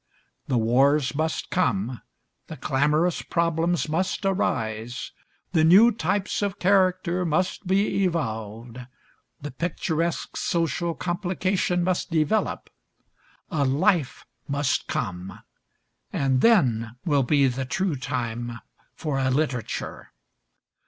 The wars must come, the clamorous problems must arise, the new types of character must be evolved, the picturesque social complication must develop, a life must come, and then will be the true time for a literature....